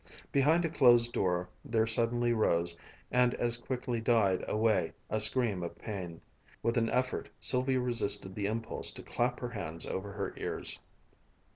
Behind a closed door there suddenly rose, and as quickly died away, a scream of pain. With an effort Sylvia resisted the impulse to clap her hands over her ears.